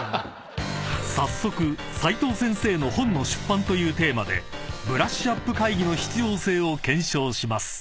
［早速齋藤先生の本の出版というテーマでブラッシュアップ会議の必要性を検証します］